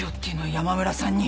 山村さんに。